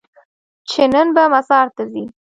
چې نن به مزار ته ځې؟